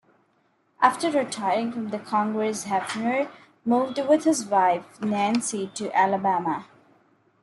After retiring from Congress, Hefner moved with his wife, Nancy, to Alabama.